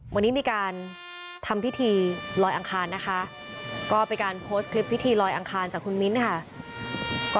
วันนี้มีการทำพิธีลอยอังคารนะคะก็เป็นการโพสต์คลิปพิธีลอยอังคารจากคุณมิ้นค่ะ